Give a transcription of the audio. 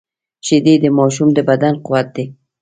شیدې د ماشوم د بدن قوت دي